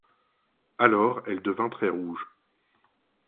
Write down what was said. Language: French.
Alors, elle devint très rouge.